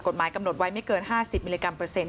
กฎหมายกำหนดไว้ไม่เกิน๕๐มิลลิกรัมเปอร์เซ็น